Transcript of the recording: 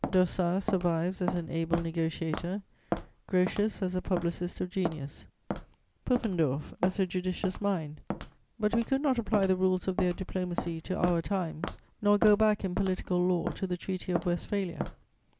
D'Ossat survives as an able negociator; Grotius as a publicist of genius; Pufendorf as a judicious mind; but we could not apply the rules of their diplomacy to our times, nor go back, in political law, to the Treaty of Westphalia.